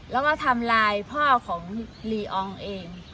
แล้วก็ทำลายพ่อของลีอองเอง